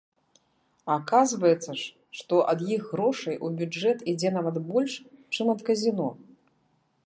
Аказваецца ж, што ад іх грошай у бюджэт ідзе нават больш, чым ад казіно!